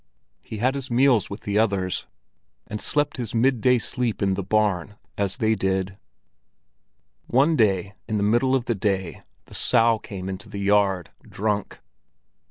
He had his meals with the others, and slept his midday sleep in the barn as they did. One day, in the middle of the day, the Sow came into the yard, drunk.